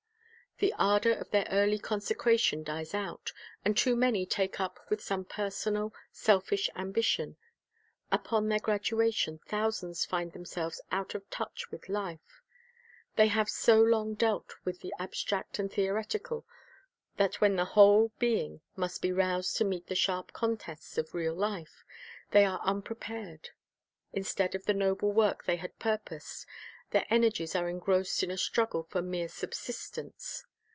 The ardor of their early consecration dies out, and too many take up with some personal, selfish ambition. Upon their graduation, thousands find themselves out of touch with life. They have so long dealt with the abstract and theoretical that when the whole being must be roused to meet the sharp contests of real life, they ° ut '"' Toiwl ' with Life are unprepared. Instead of the noble work they had purposed, their energies are engrossed in a struggle for mere subsistence.